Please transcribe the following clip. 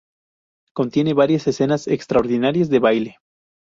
Contiene varias escenas extraordinarias de baile.